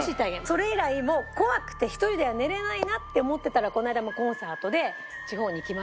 それ以来もう怖くて１人では寝れないなって思ってたらこの間もコンサートで地方に行きました。